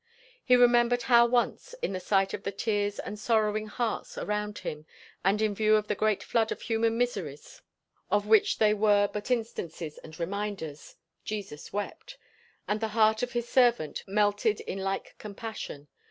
He remembered how once, in the sight of the tears and sorrowing hearts around him and in view of the great flood of human miseries of which they were but instances and reminders, "Jesus wept;" and the heart of his servant melted in like compassion.